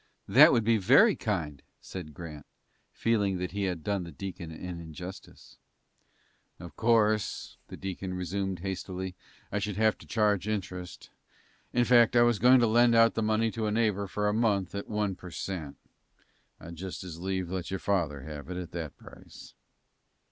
"That would be very kind," said Grant, feeling that he had done the deacon an injustice. "Of course," the deacon resumed, hastily, "I should have to charge interest. In fact, I was goin' to lend out the money to a neighbor for a month at one per cent; but I'd just as lieve let your father have it at that price."